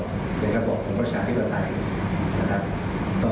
เดี๋ยวก็บอกผู้มันประชาที่จะตาย